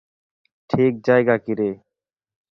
ঠিক জায়গা কী রে!